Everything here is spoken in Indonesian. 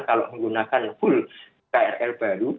kalau menggunakan full krl baru